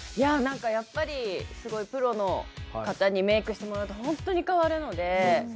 やっぱりプロの方にメークしてもらうと本当に変わるので。